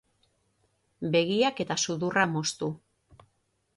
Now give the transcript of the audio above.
Begiak eta sudurra moztu.